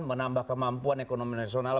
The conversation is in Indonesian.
menambah kemampuan ekonomi nasional